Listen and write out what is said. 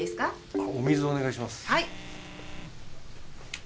お水お願いします。